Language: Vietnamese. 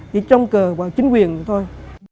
chỉ trông cờ vào chính quyền thôi